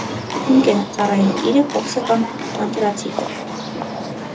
Հումք են ծառայում կիրը, կոքսը կամ անտրացիտը։